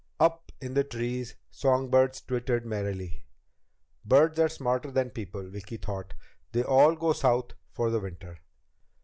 Up in the trees, songbirds twittered merrily. Birds are smarter than people, Vicki thought, they all go South for the winter.